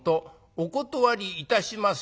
お断りいたします』